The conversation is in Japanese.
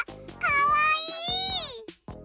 かわいい！